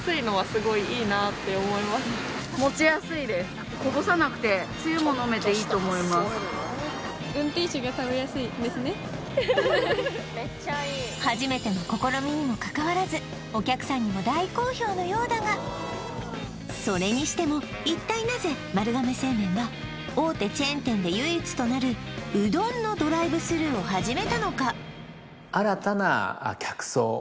何とシェイクうどんの初めての試みにもかかわらずのようだがそれにしても一体なぜ丸亀製麺は大手チェーン店で唯一となるうどんのドライブスルーを始めたのか？